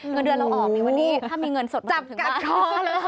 เงินเดือนเราออกถ้ามีเงินสดมาถึงบ้าน